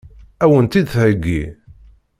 Ad wen-tt-id-theggi?